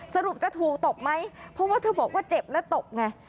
สรุปจะถูกตบไหมเพราะว่าเธอบอกว่าเจ็บและตบไง